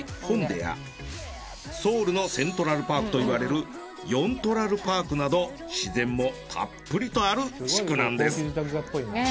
弘大やソウルのセントラルパークといわれるヨントラルパークなど自然もたっぷりとある地区なんです。